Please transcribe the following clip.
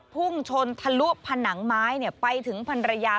พุ่งชนทะลุผนังไม้ไปถึงพันรยา